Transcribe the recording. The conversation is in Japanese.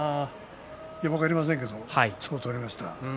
分かりませんけどそう取りました。